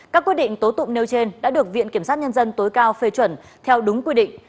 các quyết định tố tụng nêu trên đã được viện kiểm sát nhân dân tối cao phê chuẩn theo đúng quy định